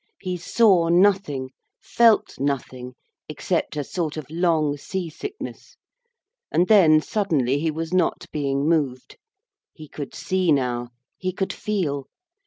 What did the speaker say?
He saw nothing, felt nothing, except a sort of long sea sickness, and then suddenly he was not being moved. He could see now. He could feel.